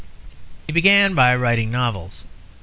He began by writing novels.